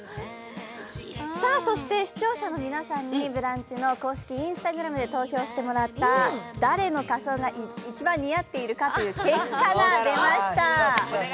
そして視聴者の皆さんに「ブランチ」のＩｎｓｔａｇｒａｍで投票してもらった、誰の仮装が一番似合っているか、結果が出ました。